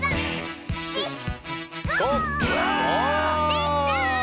できた！